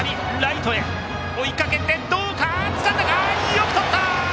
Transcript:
よくとった！